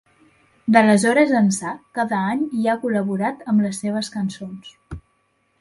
D'aleshores ençà cada any hi ha col·laborat amb les seves cançons.